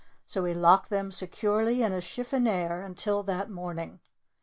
So he locked them securely in his chiffonier until that morning.